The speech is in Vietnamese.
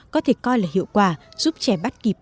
có thể coi là hiệu quả giúp trẻ bắt kịp